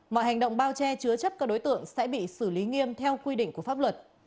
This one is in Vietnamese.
mọi hành động bao che chứa chấp các đối tượng sẽ bị xử lý nghiêm theo quy định của pháp luật